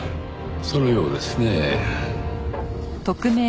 そのようですねぇ。